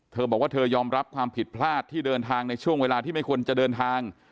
เธอบอกว่าเธอยอมรับความผิดพลาดที่เดินทางในช่วงเวลาที่ไม่ควรจะเดินทาง